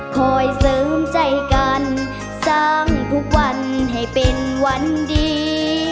คอยเสริมใจกันสร้างทุกวันให้เป็นวันดี